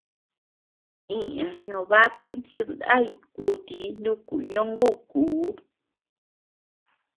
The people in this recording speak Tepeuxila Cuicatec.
Iña ñobákun jidnay kuti nuku ñongukuu.